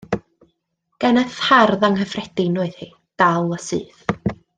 Geneth hardd anghyffredin oedd hi, dal a syth.